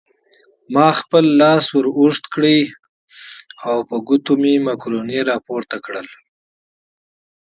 ما خپل لاس ور اوږد کړ او په ګوتو مې مکروني راپورته کړل.